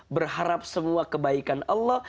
berharap semua kebaikan allah